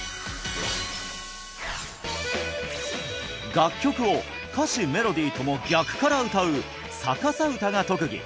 楽曲を歌詞メロディーとも逆から歌う逆さ歌が特技！